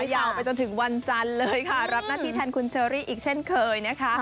ยาวไปจนถึงวันจันทร์เลยค่ะรับหน้าที่แทนคุณเชอรี่อีกเช่นเคยนะคะ